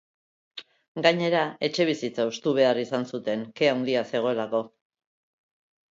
Gainera, etxebizitza hustu behar izan zuten, ke handia zegoelako.